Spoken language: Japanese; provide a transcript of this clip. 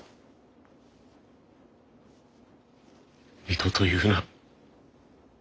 二度と言うな。